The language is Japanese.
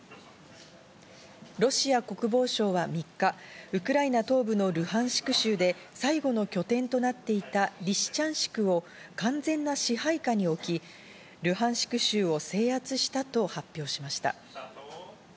ロシア国防省は３日、ウクライナ東部のルハンシク州で最後の拠点となっていたリシチャンシクを完全な支配下に置き、ルハンシク州を制圧したと発表しました。